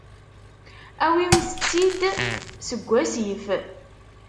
Awimt-t-id seg wasif.